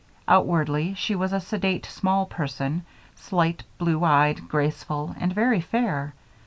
Outwardly, she was a sedate small person, slight, blue eyed, graceful, and very fair.